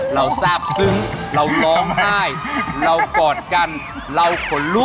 เราทราบซึ้งเราร้องไห้เรากอดกันเราขนลุก